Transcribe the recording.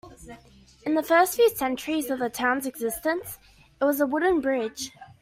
In the first few centuries of the town's existence, it was a wooden bridge.